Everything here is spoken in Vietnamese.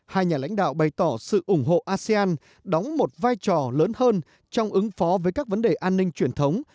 hai nhà lãnh đạo bày tỏ sự ủng hộ asean đóng một vai trò lớn hơn trong ứng phó với các vấn đề an ninh truyền thống